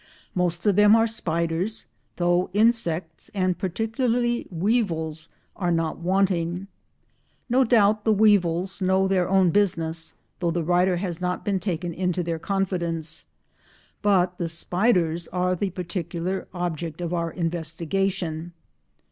Most of them are spiders, though insects, and particularly weevils, are not wanting. No doubt the weevils know their own business, though the writer has not been taken into their confidence, but the spiders are the particular object of our investigation.